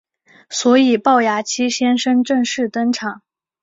所以暴牙七先生正式登场。